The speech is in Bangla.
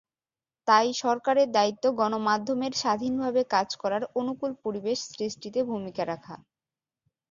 তাই সরকারের দায়িত্ব গণমাধ্যমের স্বাধীনভাবে কাজ করার অনুকূল পরিবেশ সৃষ্টিতে ভূমিকা রাখা।